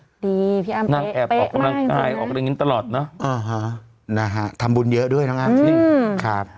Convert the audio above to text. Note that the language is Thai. ดีพี่อ้ามเป๊ะเป๊ะมากนะฮะอ่าฮะทำบุญเยอะด้วยน้องอ้ามใช่ไหม